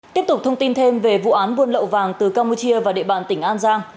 tiếp tục thông tin thêm về vụ án buôn lậu vàng từ campuchia và địa bàn tỉnh an giang